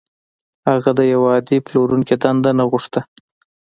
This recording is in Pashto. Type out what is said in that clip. هغه د يوه عادي پلورونکي دنده نه غوښته.